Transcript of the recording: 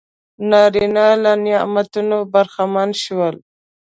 نارینه له نعمتونو برخمن شول.